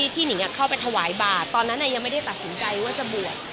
หนิงเข้าไปถวายบาทตอนนั้นยังไม่ได้ตัดสินใจว่าจะบวช